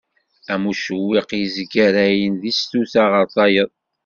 Am ucewwiq yezgaray seg tsuta ɣer tayeḍ.